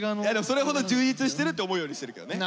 それほど充実してるって思うようにしてるけどね。